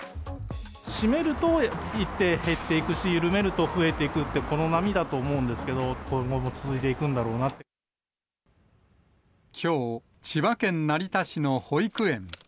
締めると引いて減っていくし、緩めると増えていくって、この波だと思うんですけど、きょう、千葉県成田市の保育園。